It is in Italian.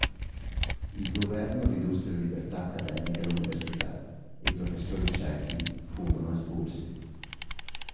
Il governo ridusse le libertà accademiche all'università e i professori cechi furono espulsi.